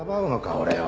俺を。